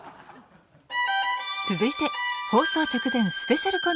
続いて放送直前スペシャルコント